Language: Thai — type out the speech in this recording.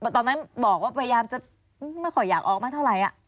ตอนนั้นบอกว่าพยายามจะไม่ค่อยอยากออกมาเท่าไหร่